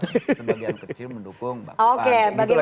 sebagian kecil mendukung pak komar